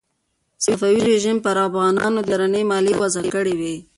صفوي رژیم پر افغانانو درنې مالیې وضع کړې وې.